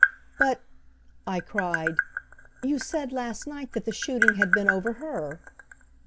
"But," I cried, "you said last night that the shooting had been over her."